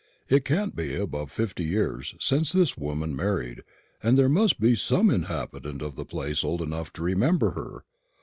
It can't be above fifty years since this woman married, and there must be some inhabitant of the place old enough to remember her.